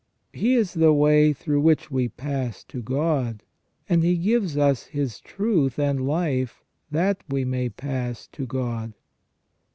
He is the way through which we pass to God, and He gives us His truth and life that we may pass to God.